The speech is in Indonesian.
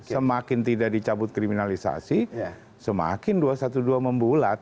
semakin tidak dicabut kriminalisasi semakin dua ratus dua belas membulat